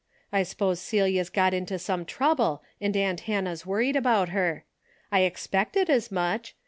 I s'pose Celia's got into some trouble and aunt Hannah's worried about her. I expected as much.